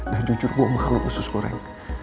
dan jujur gue malu khusus goreng